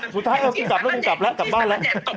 สุทธาเอละก็กลับมากลับบ้านแล้ว